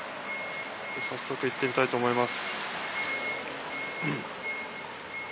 早速行ってみたいと思います。